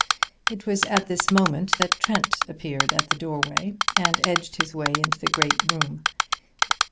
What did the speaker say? It was at this moment that Trent appeared at the doorway, and edged his way into the great room.